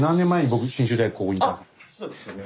あっそうですよね。